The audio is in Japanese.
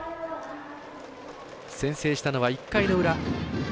先制したのは１回の裏。